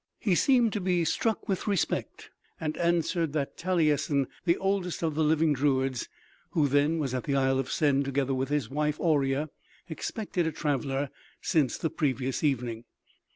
He seemed to be struck with respect and answered that Talyessin, the oldest of the living druids, who then was at the Isle of Sen together with his wife Auria, expected a traveler since the previous evening.